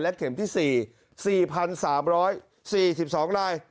เข็มที่๔๔๓๔๒ราย